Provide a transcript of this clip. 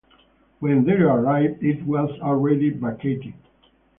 When they arrived, it was already vacated.